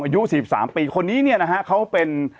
อายุ๔๓ปีคนนี้เนี่ยนะฮะเขาเป็น